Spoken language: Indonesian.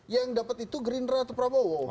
yang dapat itu gerindra atau prabowo